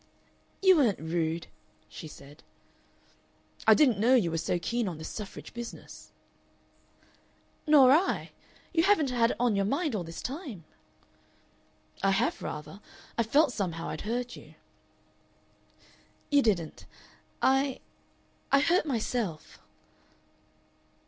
"You weren't rude," she said. "I didn't know you were so keen on this suffrage business." "Nor I. You haven't had it on your mind all this time?" "I have rather. I felt somehow I'd hurt you." "You didn't. I I hurt myself."